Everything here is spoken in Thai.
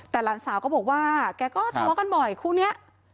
แต่หลานสาวก็บอกว่าแกก็ทะเลาะกันบ่อยคู่นี้